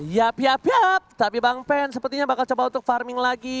yap tapi bang pen sepertinya bakal coba untuk farming lagi